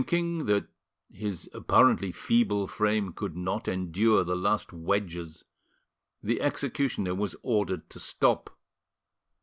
Thinking that his apparently feeble frame could not endure the last wedges, the executioner was ordered to stop.